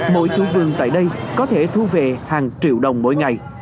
mỗi chủ vườn tại đây có thể thu về hàng triệu đồng mỗi ngày